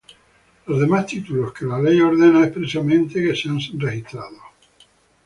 Los demás títulos que la ley ordene expresamente que sean registrados.